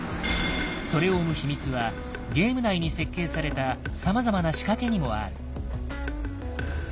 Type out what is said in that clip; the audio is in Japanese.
それを生む秘密はゲーム内に設計されたさまざまな仕掛けにもある。